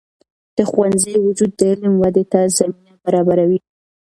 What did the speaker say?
د ښوونځي وجود د علم ودې ته زمینه برابروي.